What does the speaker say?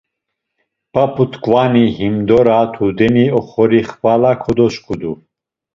P̌ap̌ut̆ǩvani himdora tudeni oxori xvala kodosǩudu?